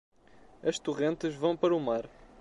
As torrentes vão para o mar.